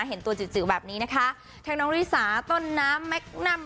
เห็นตัวจืดจือแบบนี้นะคะทั้งน้องริสาต้นน้ำแมคนัม